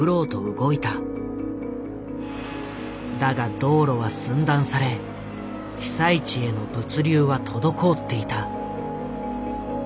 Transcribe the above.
だが道路は寸断され被災地への物流は滞っていた。